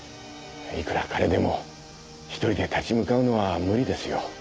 いくら彼でも１人で立ち向かうのは無理ですよ。